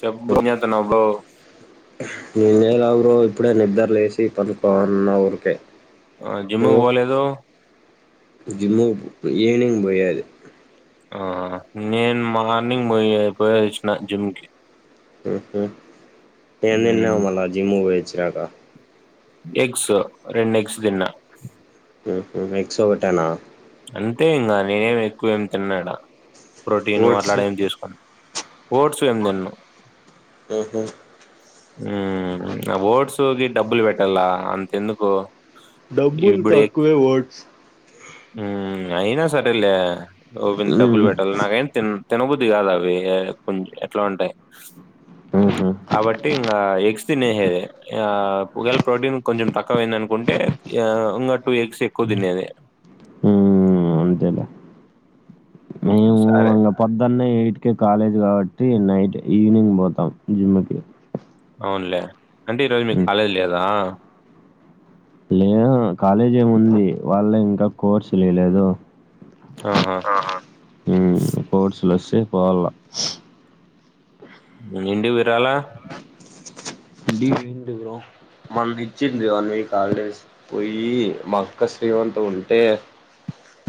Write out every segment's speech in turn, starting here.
చెబ్ bro ఏంచేతునవ్ bro నేనల bro ఇప్పుడే నిద్రలేసి పనుకోనున్న ఊరికే జిమ్మూకు పోలేదు జిమ్ము ఈవినింగ్ పోయేది ఆ నేను మార్నింగ్ పోయి పోయే సచ్చిన జిమ్ కి ఏం తిన్నావు మల్ల జిమూకు పోయాచి నాకా ఎగ్స్ రెండు ఎగ్స్ దిన్న ఉహు ఎగ్స్ ఒకటెనా అంతే ఇంకా నేనేం ఎక్కువేమి తిన్నాడా ప్రోటీను ఓట్స్ అట్లాడ ఏమి చేసుకొను ఓడ్స్ ఏం తిన్ను ఆహ ఉ నా ఓట్స్ గి డబ్బులు పెట్టాల అంతెందుకు డబ్బులు ఇప్పుడు ఎగ్ తక్కువే ఓడ్స్ అయినా సరేలే ఓవింద డబ్బులు ఉమ్ పెట్టాలి నాకైనా తి తినబద్ది కాదవి కొం ఎట్లా ఉంటాయి ఉహు కాబ ఇంకా ఎగ్స్ తినేసేదే ఒకేలా ప్రోటీన్ కొంచెం తక్కువయింది అనుకుంటే ఇంకా టూ ఎగ్స్ ఎక్కువ తినేది అంతే లే సారే పొద్దున్న ఎయిట్ కి కాలేజ్ కాబట్టి నైట్ ఈవినింగ్ పోతాం జిమ్ కి అవునులే అంటే ఈరోజు మీకు ఉమ్ కాలేజ్ లేదా లేదు కాలేజ్ ఏమి ఉంది వాల్లె ఇంకా కోర్సు లేలేదు ఆహా కోర్సులు వస్తె పోవాలా నిండి విరాలా డి ఏంటి బ్రో మన ఇచ్చింది వన్ వీక్ హాలిడేస్ పోయి మా అక్క శ్రీమంత ఉంటే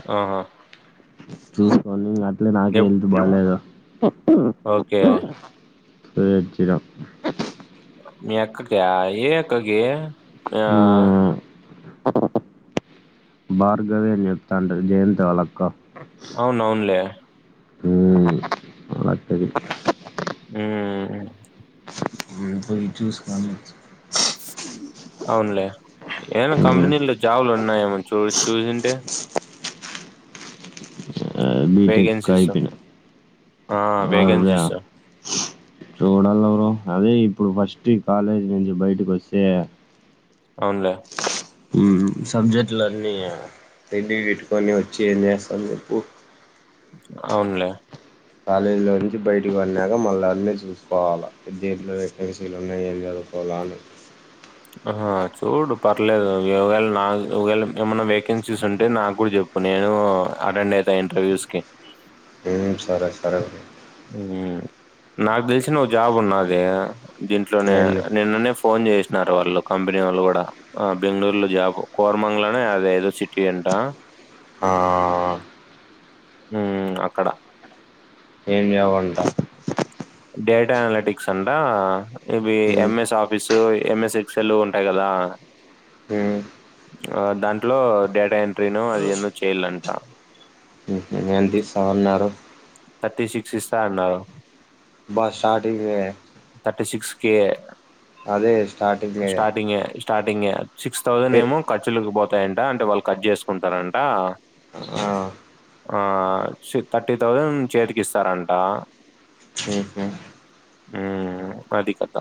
ఆ చూసుకో అట్లే నాకే ఎప్ హెల్త్ బాలేదు ఓకే. చేయడం మీ అక్కక ఏ అక్కకి ఆహ్, హ భార్గవేనితాండ జయంత వాళక్క అవును అవున్లే అక్కది ఉ ఏ పోయి చూస్ అవునులే ఏమనా కంపెనీలో జాబులు ఉన్నాయ ఏమో చూ చూసింటే బీటెక్ కయి వేకెన్సీస్. పెన ఆ! అద వేకెన్సీస్. చూడాలవరు అదే ఇప్పుడు ఫస్ట్ ఈ కాలేజీ నుంచి బయటకస్తే అవునులే సబ్జెక్ట్లున్నీ రడి పెట్టుకొని వచ్చి ఏం చేస్తాం చెప్పు అవునులే కాలేజీలో నుంచి బయటకి వన్నాక మళ్ళా అన్నీ చూసుకోవాలా పెద్ద్యార్థులు వేకెన్సీలు ఉన్నాయి ఏం క పొలాలు ఆ చూడు పర్లేదు యోవేళ్ నాగ్ ఒగ్వేళ్ ఏమన్నా వేకెన్సీస్ ఉంటే నాక్ గూడా జెప్ పుడు నేను అటెండ్ అయితా ఇంటర్వ్యూస్ కి ఏం సరే సరే ఉం ఉ నాక్ దెల్సిన ఓ జాబ్ ఉన్నాది దీంట్లోనే ఏంది నిన్ననే ఫోన్ జెస్నారు వాళ్ళు కంపినీవాళ్ళు గుడా ఆ బెంగళూరులో జాబు కోర్మంగ్ళనే అదేదో సిటీ అంటా ఆ ఉమ్ అక్కడ ఏం జేవంట డేటా అనాలటిక్స్ అంటా ఇవి మ్మ్ ఎంఎస్ ఆఫీసు ఎంఎస్ ఎక్సలు ఉంటాయ్ గదా మ్మ్ ఆ దాంట్లో డేటా ఎంట్రీను అది ఎందో చేయాలంట ఎంతిస్తా అన్నారు థర్టీ సిక్స్ ఇస్తా అన్నారు. బ స్టార్టింగే థర్టీ సిక్స్ కే అదే స్టార్టింగే స్టార్టింగే స్టార్టింగే సిక్స్ థౌసండ్ ఏ ఏమో ఖర్చులుకు బోతాయంటా అంటే వాళ్ కడ్ జేస్కుంటారంట ఆ ఆ చు థర్టీ తౌసండ్ చేతికిస్సారంట మ్మ్ హ్మ్ ఉం అది కథ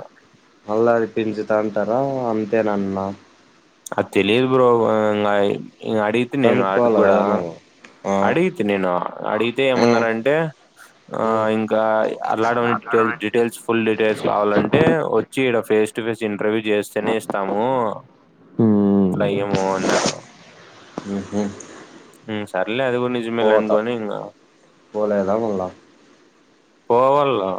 మళ్ళా అది పెంచుతారంటానా అంతేనన్నా అద్ తెలిదు బ్రో ఆ ఇంగా ఇ అడిగ్ తి నేను కనుక్కోవాలి వాటిగూడా కదా నువ్వు ఆ అడిగితి నేను అడిగితే ఏమన్నారంటే ఆ మ్మ్ ఇంకా అల్లాడ డీటల్ డీటెయిల్స్ ఫుల్ డీటెయిల్స్ కావాలంటే వ చ్చి ఇడా ఫేస్ టు ఫేస్ ఇంటర్వ్యూ జేస్తేనే ఇస్తాము. ఇట్లా మ్మ్ ఏమో అన్నారు మ్మ్ హ్మ్ ఉం సర్లే అది గుడ్ నిజమేళేంగాని ఇంగా బ పోవల్లా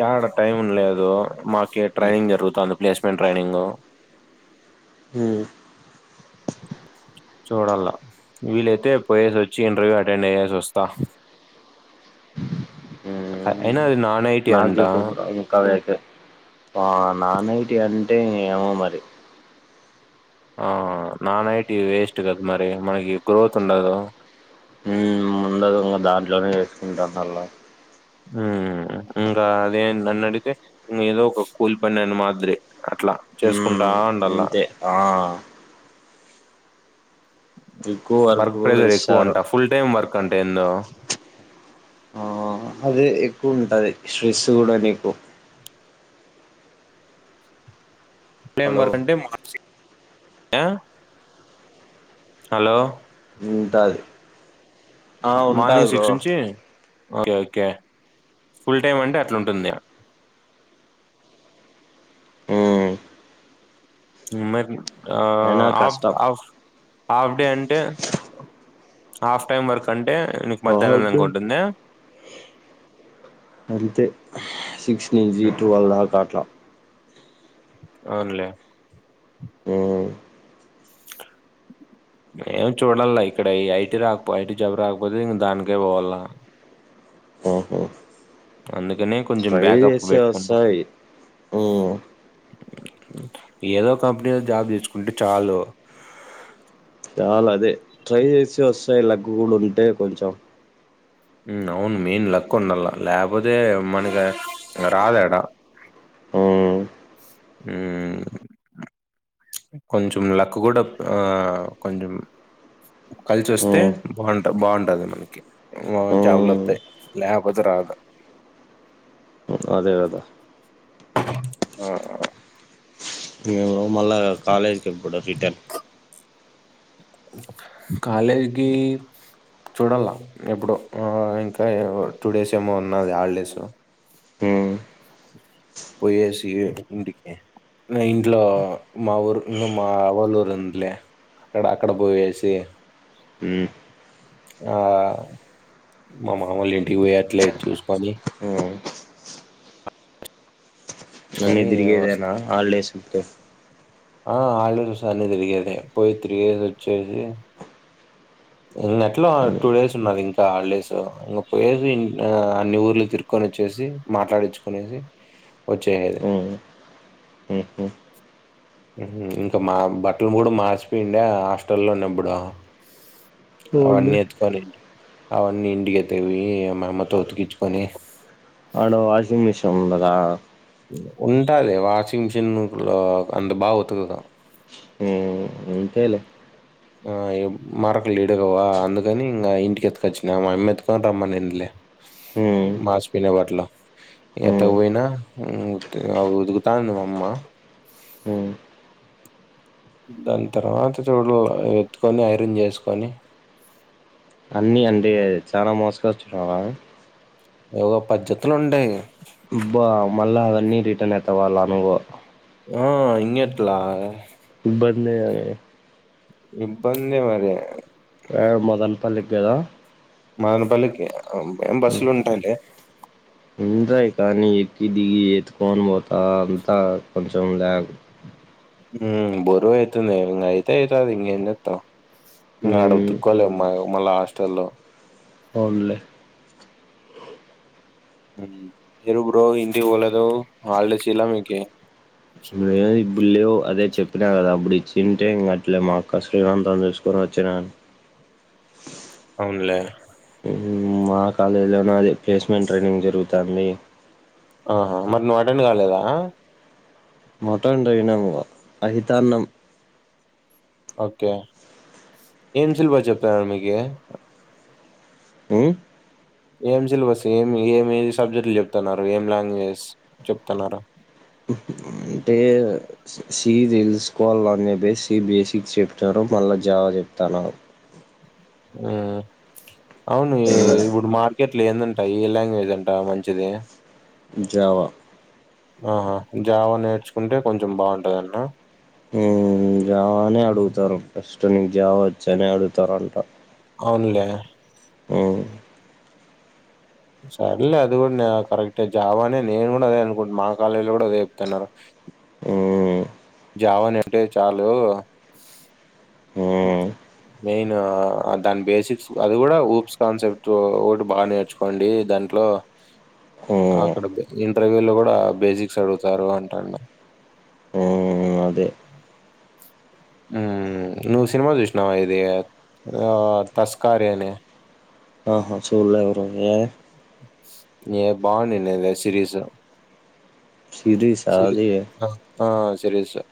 యాడ టైమున్ లేదు మాకే ట్రైనింగ్ జరుగుతాంది ప్లేస్మెంట్ ట్రైనింగు ఉం చూడాలా వీలైతే పోయేసోచ్చి ఇంటర్వ్యూ అటెండ్ అయ్యేస్ వస్తా అ ఐనా ఇద్ నా నాక్ జెప్పకుర్రి ఇంకావెట్టే ఆ నాన్ ఐటి అంటే ఇంగ ఏమో మరి ఆ నానైటి వేస్ట్ గద్ మరి మనకి గ్రోత్ ఉండదు ఉం ముందగు దాంట్లోనే జెసుకుంటా మళ్ళా ఉం ఇంకా అదే నన్నాడిగితే ఇంగేదో ఒక కూల్ పనన్ మాద్రే అట్లా చేస్కుంటా హ్మ్ ఉండాలా అంతే ఆ ఎక్కువ వర్క్ కూడా ప్రెజర్ ఇస్తారు ఎక్కువంటా ఫుల్ టైమ్ వర్క్ అంటే ఎందో ఆ అదే ఎక్కువుంటది స్టేస్సు గూడ నీకు ప్లెమ్ హలో వర్క్ అంటే మా [unintelligible] ఆ అలో ఉంటాది ఆ ఉంటాది మార్నింగ్ బ్రో సిక్స్ నుంచి ఓకే ఓకే ఫుల్ టైమ్ అంటే అట్లుంటుంది హ్మ్ ఉమ్ మరి ఆ అయినా ఆఫ్ కష్టం ఆఫ్ హాఫ్ డే అంటే, హాఫ్ టైమ్ వర్క్ అంటే నీకు మధ్యాహ్నం దంకా ఉంటుందే అంతే సిక్స్ నుంచి ఉహు, ట్యూవెల్ దాకా అట్లా అవున్లే ఉమ్మ్ ఎక్కడ ఏం చూడాన్ల ఇక్కడ ఈ ఐటీ రాక్పో, ఐటీ జాబ్ రాకపోతే ఇంకా దానికే పోవాల్ల ఆహా అందుకనే కొంచెం ట్రై బ్యాకప్కు చేస్తే బెట్టుకున్నా వస్తాయి హ్మ్ ఏదో కంపెనీలో జాబ్ తెచ్చుకుంటే చాలు. చాలాదే, ట్రై జేసి వస్తాయి లక్ గుడా ఉంటే కొంచెం. ఉమ్ అవును మెయిన్ లక్ ఉండాల్లా, లేకపోతే మనకి రాదాడా. ఉమ్ ఉమ్మ్ కొంచెం లక్కు గుడా ఆ కొంచెం కలిసోస్తే హ్మ్ బాగుంట, బాగుంటది మనకి. ఇలా జాబులు హ్మ్ అత్తాయి లేకపోతే రాద్. అదేగదా ఆ ఏమో మళ్ళా నాక్ కాలేజ్కి గుడా రిటర్న్ కాలేజ్గి చూడాల్ల ఎప్పుడో, ఆ ఇంకా టూ డేస్ ఏమో ఉన్నది హాలిడేసు. ఉమ్ పోయేసియే ఇంటికి ఇగ ఇంట్ల, మా ఊరు ఇంగ మావోలురుందిలే. అక్కడ అక్కడ బోయేసి ఉమ్ ఆ మా మామోల ఇంటికి పోయి అట్లే చూసుకొని హ్మ్ అన్ని కొని వస్ తిరిగేదేనా హాలీడేస్ మొత్తం ఆ హాలీడేస్ అన్ని తిరిగేదే, పోయి తిరిగేసి ఒచ్చేసి ఇంగ ఎట్లా టూ డేస్ ఉన్నాది ఇంకా హాలిడేస్, ఇగ పోయేసి ఆ అన్ని ఊర్లు తిరుగ్ కొన్ని చూసి, మాట్లాడిచ్చుకునేసి వచ్చేయాలి. హ్మ్ హ్మ్ హ్మ్ ఉమ్ ఇంకా మా బట్టలు కూడా మార్చిపోయిండే హాస్టల్లో ఉన్నప్పుడు. అవన్నీ అవునులే ఎత్తుకొని, అవన్నీ ఇంటికి ఎత్తూకుపొయ్యి మాఅమ్మతో ఉతికిచ్చుకొని అవును వాషింగ్ మెషీన్ ఉండదా ఉంటాది వాషింగ్ మిషిన్ లో ఇప్పుడు అంత బాగా ఉతకదు. ఉమ్ అంతేలే ఆ ఇగ్ మరక లీడుగవా అందుకని ఇంగా ఇంటికిత్కొచ్చినా, మా అమ్మ ఎత్తుకొని రమ్మనిందిలే. హ్మ్ మాసిపోయిన బట్టలు హ్మ్ ఎత్తకపోయినా, ఉమ్ ఉత్ ఉతుకుతాంది మా అమ్మ హ్మ్ దాన్ తర్వాత చూడు ఎత్కొని ఐరన్ జేసుకొని అన్ని అంటే చాలా మోసుకొచ్చున్నావా. ఒగా పది జతల్ ఉంటాయి అబ్బా మళ్ళా అవన్నీ రిటర్న్ ఎత్తవాళ్ళు నువ్వు ఆ ఇంగెట్ల ఇబ్బందే అయ్యి ఇబ్బందే మళ్ళీ ఆ మదనపల్లికి కదా మదనపల్లికి అం అం ఉ- బస్సులుంటాయి లే ఉంటాయి కానీ ఎక్కి దిగి ఎత్తుకొని పోతా అంతా కొంచెం లా ఉమ్ బరువు ఐతుంది ఇంగ అయితే ఐతాది ఇంగ ఏం చేత్తాం ఇంగ ఆడ ఉమ్ ఉతుక్కోలేం మ మళ్ళ హాస్టల్లో అవునులే ఉమ్ మీరు బ్రో ఇంటికి పోలేదు హాలీడేస్ ఈలా మీకి లేదు ఇప్పుడు లేవు అదే చెప్పినా కదా అప్పుడు ఇచ్చింటే ఇంక అట్లే మా అక్క శ్రీమంతం చూసుకొని వచ్చినా అవునులే ఊ మా కాలేజీలోనే అదే ప్లేస్మెంట్ ట్రైనింగ్ జరుగుతాంది ఆహా మరి నువ్వు అటెండ్ కాలేదా అటెండ్ అయినాం లే అహితాన్నం ఓకే ఏం సిలబస్ చెప్తారు మీకి ఉమ్ ఏం సిలబస్ ఏమి ఏమి సబ్జెక్టులు చెప్తన్నారు ఏం లాంగ్వేజస్ చెప్తన్నారు అంటే సి తెలుసుకోవాలనే బేస్ సి బేసిక్స్ చెప్తారు మళ్ళ జావా చెప్తానారు ఊ అవును ఏ ఇప్పుడు మార్ కెట్లా ఏందుంటాయు ఏ లాంగ్వేజ్ అంట మంచిది జావా ఆహా జావా నేర్చుకుంటే కొంచెం బావుంటదంట నా హూ జావా అని అడుగుతారు ఫస్ట్ నీకు జావా వచ్చా అనే అడుగుతారంట అవునులే ఊ సరేలే అది కూడానే కరెక్టే జావానే నేను కూడా అదే అనుకుంట్ మా కాలేజీ లో కూడా అదే చెప్తన్నారు హ్మ్ జావా నే [unintelligible] టే చాలు ఊ మెయిన్ దాని బేసిక్స్ అది కూడా ఊప్స్ కాన్సెప్ట్ ఒకటి బా నేర్చుకోండి దాంట్లో అక్కడ ఇంటర్వ్యూల్లో కూడా బేసిక్స్ అడుగుతారు అంటాండు హ్మ్ అదే ఉమ్ నువ్వు సినిమా చూసినావా ఇది ఆ తస్కారీ అని ఆహా చూడలే బ్రో ఏమి ఏ బావునిందే వెబ్ సిరీసు సిరీసా సిలి అది ఆ ఆ సిరీసే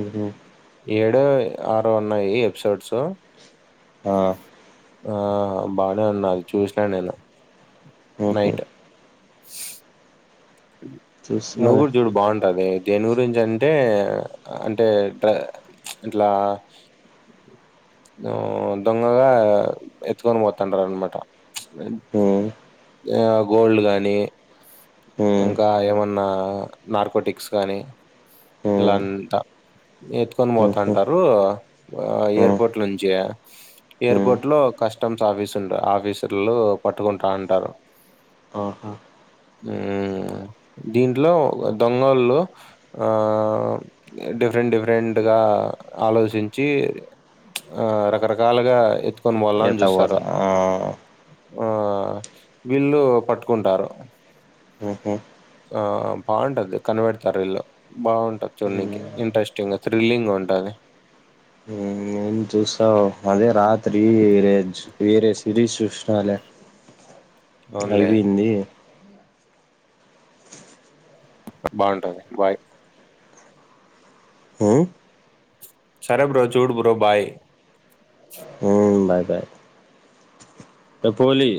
ఊహూ ఏడో ఆరో ఉన్నాయి ఎపిసోడ్సు ఆ ఆహా బానే ఉంది అది చూసినా నేను ఉహు నైట్ నువ్వు చూస్తాలే గూడ చూడు బావుంటాది దేని గురించి అంటే అంటే డ్రే ఇట్లా దో దొంగగా ఎత్తుకొని పోతాంటారనమాట [inaudible] హ్మ్ యా గోల్డ్ గానీ హ్మ్ ఇంకా ఏమన్నా నార్కోటిక్స్ కానీ హ్మ్ ఇలంతా ఎత్తుకొని ఉహు పోతాంటారు హ్మ్ ఎయిర్పోర్ట్ లో నుంచి హ్మ్ ఎయిర్పోర్ట్ లో కస్టమ్స్ ఆఫీస్ ఉంట ఆఫీసర్లు పట్టుకుంటాటారు ఆహా మ్మ్ దీంట్లో దొంగోల్లు ఆ డిఫరెంట్ డిఫరెంట్గా ఆలోచించి, ఆ రకరకాలుగా ఎత్తుకొని పోవల్ల అని చూస్తారు. ఎతపోతా ఆ ఆ వీల్ళు పట్టుకుంటారు. మ్హు ఆ బాగుంటది కనబడతారు వీళ్లు బాగుంటది చూడనీకి హ్మ్ ఇంట్రెస్టింగ్గా థ్రిల్లింగ్ ఉంటది. మ్మ్ ఏం చూస్తావు అదే రాత్రి వేరే వేరే సిరీస్ చూసినాలే. అవునులే అయిపోయింది బాగుంటది బాయ్ హ్మ్ సరే బ్రో చూడు బ్రో బాయ్. హ్మ్ బాయ్ బాయ్ ధ పోలి